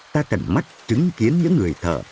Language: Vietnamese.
ta cần mắt chứng kiến những người thợ